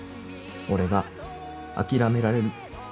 俺が諦められる。